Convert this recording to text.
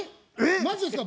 マジっすか？